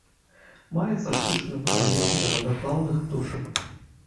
Маецца штучны вадаём для вадаплаўных птушак.